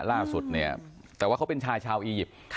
ล่าสุดเนี่ยแต่ว่าเขาเป็นชายชาวอียิปต์